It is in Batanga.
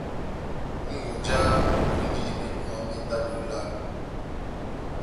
mʼbúmwi-konja múhukwindi menyuwa mé ndabo ilálo.